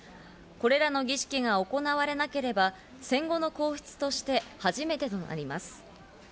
これらの儀式が行われなければ、戦後の皇室として初めてとなります。